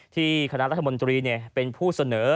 คณะรัฐมนตรีเป็นผู้เสนอ